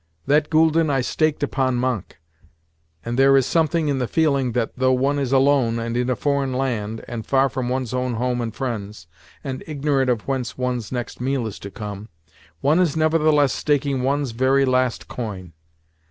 That gülden I staked upon manque—and there is something in the feeling that, though one is alone, and in a foreign land, and far from one's own home and friends, and ignorant of whence one's next meal is to come, one is nevertheless staking one's very last coin!